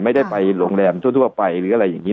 ไม่ได้ไปโรงแรมทั่วไปหรืออะไรอย่างนี้